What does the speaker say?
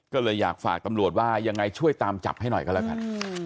ก็เลยอยากฝากตำรวจว่ายังไงช่วยตามจับให้หน่อยก็แล้วกัน